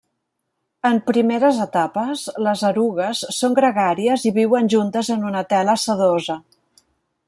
En primeres etapes, les erugues són gregàries i viuen juntes en una tela sedosa.